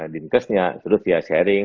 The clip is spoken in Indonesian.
dinkesnya terus dia sharing